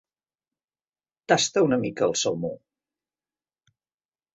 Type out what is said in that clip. Tasta una mica el salmó.